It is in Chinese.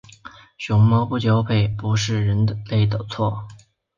熊猫不交配不是人类的错。